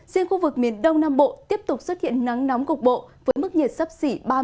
riêng khu vực miền đông nam bộ tiếp tục xuất hiện nắng nóng cục bộ với mức nhiệt sắp xỉ ba mươi năm độ